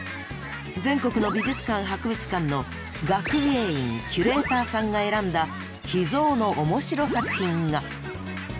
全国の美術館・博物館の学芸員キュレーターさんが選んだ秘蔵のおもしろ作品が！